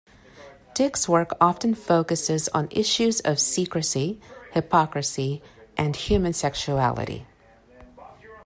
Dick's work often focuses on issues of secrecy, hypocrisy, and human sexuality.